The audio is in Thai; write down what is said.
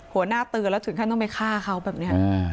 หัวหน้าเตือนแล้วถึงขั้นต้องไปฆ่าเขาแบบนี้